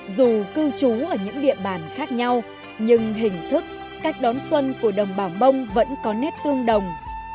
dù cư trú ở những địa bàn khác nhau nhưng hình thức cách đón xuân của đồng bào mông vẫn có nét tương đồng